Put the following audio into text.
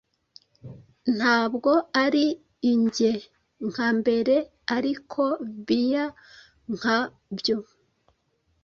Ntabwo ari ingee nka mbere, ariko bia nka byo